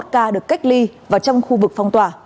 ba mươi một ca được cách ly và trong khu vực phong tỏa